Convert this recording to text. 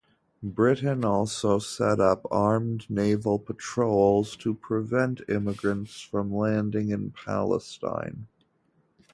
Britain also set up armed naval patrols to prevent immigrants from landing in Palestine.